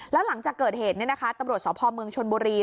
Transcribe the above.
แล้วหลังจากเกิดเหตุเนี้ยนะคะตำรวจสอบภอมเมืองชนบุรี